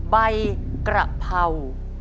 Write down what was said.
ใบกระเภา